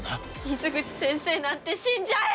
水口先生なんて死んじゃえ！